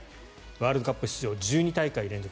ワールドカップ出場１２大会連続